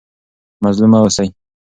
مظلوم مه اوسئ.